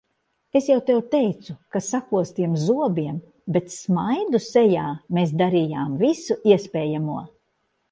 Es jau tev teicu, ka sakostiem zobiem, bet smaidu sejā mēs darījām visu iespējamo.